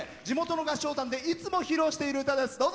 地元の合唱団でいつも披露している歌です。